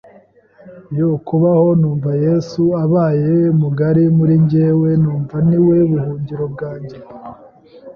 yo kubaho, numva Yesu abaye mugari muri njyewe, numva ni we buhungiro bwanjye,